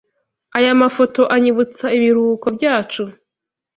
Aya mafoto anyibutsa ibiruhuko byacu.